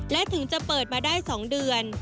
และถึงจะเปิดมาได้๒เดือน